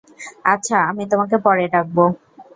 আচ্ছা, আমি তোমাকে পরে ডাকব।